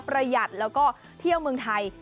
ประหยัดแล้วก็เที่ยวเมืองไทย